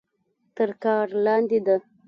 تر کار لاندې ده.